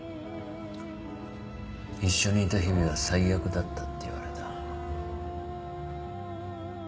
一緒にいた日々は最悪だったって言われた。